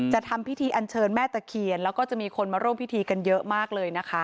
ทำพิธีอันเชิญแม่ตะเคียนแล้วก็จะมีคนมาร่วมพิธีกันเยอะมากเลยนะคะ